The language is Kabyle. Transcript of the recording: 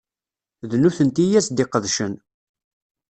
D nutenti i as-d-iqedcen.